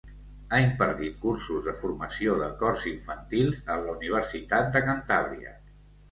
Ha impartit cursos de formació de cors infantils en la Universitat de Cantàbria.